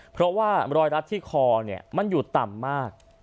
เพราะว่ารอยรัดที่คอมันอยู่ต่ำมาก